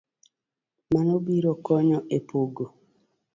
Mano biro konyo e pogo